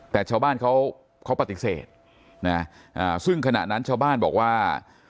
แต่ชาวบ้านเขาปฏิเสธนะซึ่งขณะนั้นชาวบ้านบอกว่า